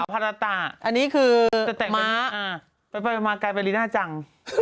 ปฏิตาอันนี้คือม้าอ่าอ่าเจ้าสร้าแจ้ง